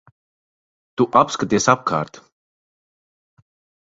Tu apskaties apkārt.